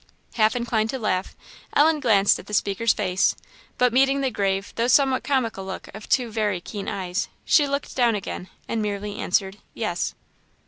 Half inclined to laugh, Ellen glanced at the speaker's face, but meeting the grave though somewhat comical look of two very keen eyes, she looked down again, and merely answered, "yes."